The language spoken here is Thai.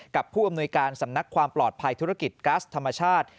ผู้อำนวยการสำนักความปลอดภัยธุรกิจก๊าซธรรมชาติ